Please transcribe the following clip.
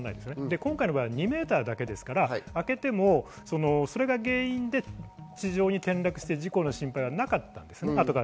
今回２ｍだけですから開けてもそれが原因で地上に転落して事故の心配はなかったんです。